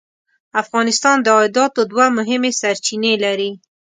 افغانستان د عایداتو دوه مهمې سرچینې لري.